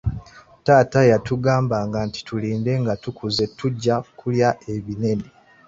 Taata yatugambanga nti tulinde nga tukuzze tujja kulya ebinene.